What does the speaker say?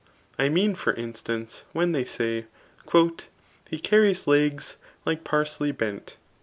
I me^Ot |br instance, when they say. And, He carries legs like parsley bent.